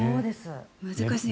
難しい。